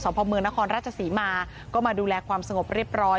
พ่อเมืองนครราชศรีมาก็มาดูแลความสงบเรียบร้อย